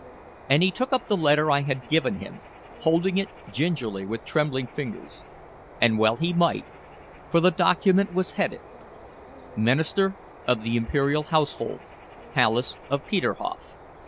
And he took up the letter I had given him, holding it gingerly with trembling fingers. And well he might, for the document was headed: "MINISTER OF THE IMPERIAL HOUSEHOLD, PALACE OF PETERHOF.